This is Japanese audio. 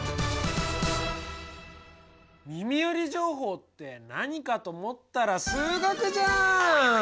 耳寄り情報って何かと思ったら数学じゃん！